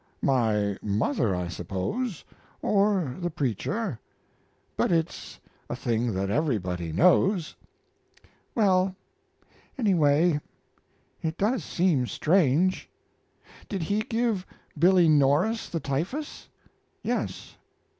My mother, I suppose; or the preacher. But it's a thing that everybody knows." "Well, anyway, it does seem strange. Did He give Billy Norris the typhus?" "Yes."